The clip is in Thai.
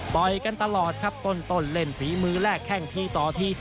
กันตลอดครับต้นเล่นฝีมือแลกแข้งทีต่อที